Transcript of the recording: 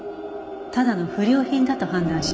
ただの不良品だと判断します。